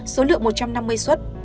số lượng một trăm năm mươi suất